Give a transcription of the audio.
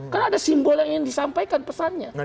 karena ada simbol yang ingin disampaikan pesannya